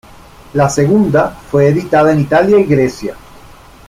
La segunda fue editada en Italia y Grecia.